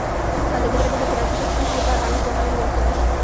ازادي راډیو د ټرافیکي ستونزې لپاره عامه پوهاوي لوړ کړی.